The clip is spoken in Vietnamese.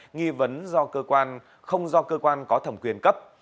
nghi vấn không do cơ quan có thẩm quyền cấp